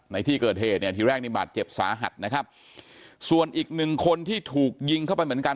ในที่เกิดเหตุเนี่ยทีแรกนี่บาดเจ็บสาหัสนะครับส่วนอีกหนึ่งคนที่ถูกยิงเข้าไปเหมือนกัน